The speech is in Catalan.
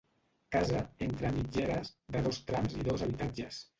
Casa entre mitgeres, de dos trams i dos habitatges.